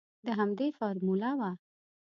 د همدوی فارموله وه.